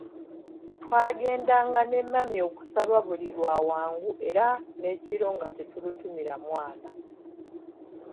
Twagendanga ne mami okusaba buli lwa Wangu era n'ekiro nga tetulutumira mwana.